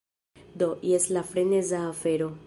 Do, jes la freneza afero